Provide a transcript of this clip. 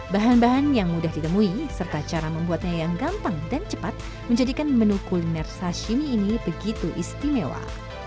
bahan bahan yang mudah ditemui serta cara membuatnya yang gampang dan cepat menjadikan menu kuliner sashimi ini begitu istimewa